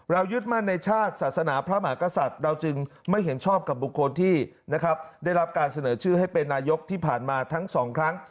ยึดมั่นในชาติศาสนาพระมหากษัตริย์เราจึงไม่เห็นชอบกับบุคคลที่นะครับได้รับการเสนอชื่อให้เป็นนายกที่ผ่านมาทั้งสองครั้ง